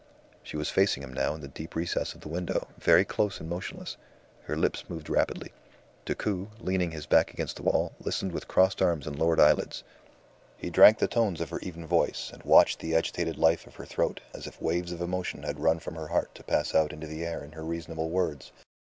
She was facing him now in the deep recess of the window, very close and motionless. Her lips moved rapidly. Decoud, leaning his back against the wall, listened with crossed arms and lowered eyelids. He drank the tones of her even voice, and watched the agitated life of her throat, as if waves of emotion had run from her heart to pass out into the air in her reasonable words.